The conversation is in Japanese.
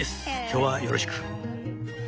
今日はよろしく」。